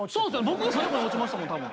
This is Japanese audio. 僕最後に落ちましたもん多分。